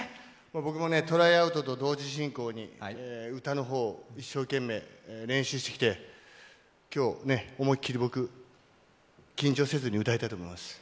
僕もトライアウトと同時に歌のほうを一生懸命練習してきたので今日、思い切り僕、緊張せずに歌いたいと思います。